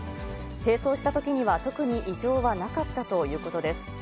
清掃したときには、特に異常はなかったということです。